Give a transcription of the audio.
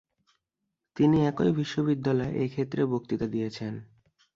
তিনি একই বিশ্ববিদ্যালয়ে এই ক্ষেত্রে বক্তৃতা দিয়েছেন।